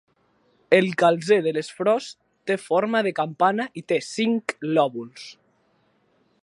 El calze de les flors té forma de campana i té cinc lòbuls.